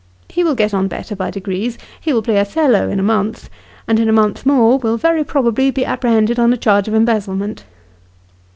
He will get on better by degrees ; he will play Othello in a month, and in a month more, will very probably be apprehended on a charge of embezzle ment.